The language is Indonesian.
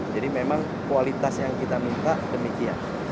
jadi memang kualitas yang kita minta demikian